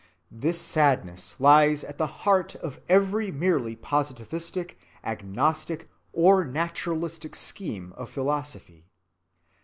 This sadness lies at the heart of every merely positivistic, agnostic, or naturalistic scheme of philosophy.